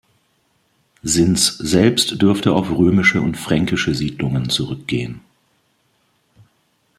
Sinz selbst dürfte auf römische und fränkische Siedlungen zurückgehen.